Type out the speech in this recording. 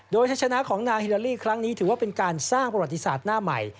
โดยใช้ชนะของนางฮิลาลีครั้งนี้ถือว่าเป็นการสร้างประวัติศาสตร์หน้าใหม่